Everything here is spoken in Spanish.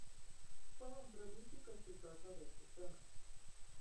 Fue un prolífico escritor sobre estos temas.